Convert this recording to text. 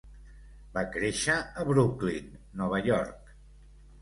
Va créixer a Brooklyn, Nova York.